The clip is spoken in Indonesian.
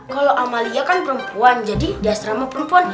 kalau amalia kan perempuan jadi dia serama perempuan